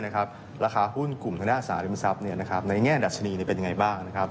ราคาหุ้นกลุ่มทางด้านสาริมทรัพย์ในแง่ดัชนีเป็นยังไงบ้าง